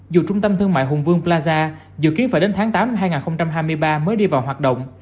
dù trung tâm thương mại hùng vương plaza dự kiến phải đến tháng tám năm hai nghìn hai mươi ba mới đi vào hoạt động